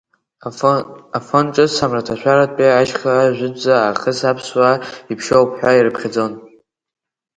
Афон Ҿыц амраҭашәарахьтәи ашьха жәытәӡа аахыс аԥсуаа иԥшьоуп ҳәа ирыԥхьаӡон.